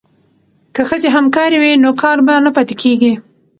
که ښځې همکارې وي نو کار به نه پاتې کیږي.